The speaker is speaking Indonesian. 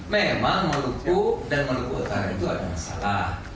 memang maluku dan maluku utara itu ada masalah